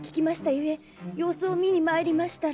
ゆえ様子を見にまいりましたら。